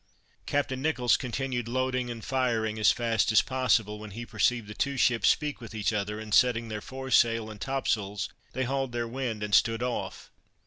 Captain Nicholls continued loading and firing as fast as possible, when he perceived the two ships speak with each other, and setting their foresail and topsails, they hauled their wind, and stood off.